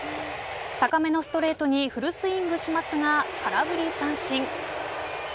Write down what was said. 高めのストレートにフルスイングしますが空振り三振。